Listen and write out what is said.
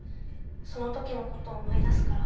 その時の事を思い出すから。